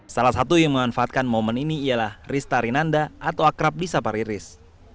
salah satu yang memanfaatkan momen ini ialah rista rinanda atau akrab di sapa riris